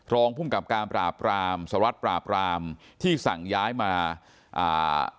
รองภูมิกับการปราบรามสวัสดิ์ปราบรามที่สั่งย้ายมาอ่า